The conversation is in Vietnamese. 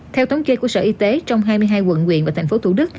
theo tấm kê của sở y tế trong hai mươi hai quận nguyện và tp thủ đức